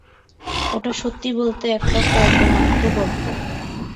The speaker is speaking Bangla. ওটা সত্যি বলতে একটা কর্দমাক্ত গর্ত।